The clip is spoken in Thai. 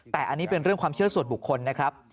แต่อันนี้เป็นเรื่องความเชื่อส่วนบุคคลนะครับ